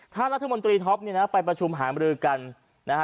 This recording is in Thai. ท่านรัฐมนตรีท็อปเนี่ยนะไปประชุมหามรือกันนะฮะ